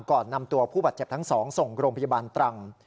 ก่อนนำตัวผู้บาดเจ็บทั้ง๒ส่งโรงพยาบาลตรัง